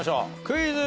クイズ。